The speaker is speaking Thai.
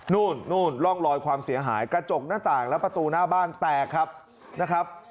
นู่นนู่นร่องรอยความเสียหายกระจกหน้าต่างและประตูหน้าบ้านแตกครับนะครับ